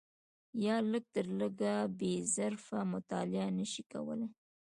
یا لږ تر لږه بې طرفه مطالعه نه شي کولای